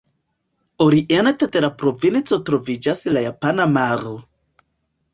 Oriente de la provinco troviĝas la Japana Maro.